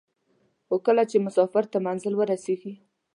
خو کله چې مسافر تر منزل ورسېږي.